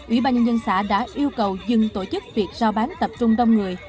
ủy ban nhân xã đã yêu cầu dừng tổ chức việc rao bán tập trung đông người